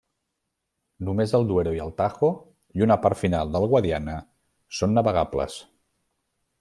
Només el Duero i el Tajo i una part final del Guadiana són navegables.